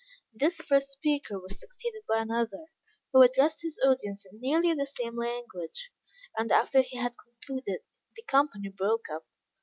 This first speaker was succeeded by another, who addressed his audience in nearly the same language; and after he had concluded, the company broke up.